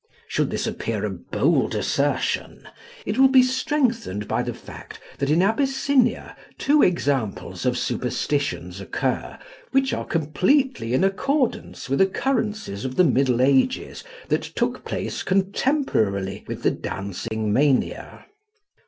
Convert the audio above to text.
Should this appear a bold assertion it will be strengthened by the fact that in Abyssinia two examples of superstitions occur which are completely in accordance with occurrences of the Middle Ages that took place contemporarily with the dancing mania.